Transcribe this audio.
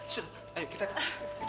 sudah ayo kita ke rumah sakit